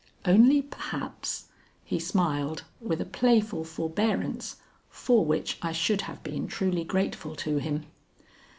"Only perhaps?" He smiled, with a playful forbearance for which I should have been truly grateful to him.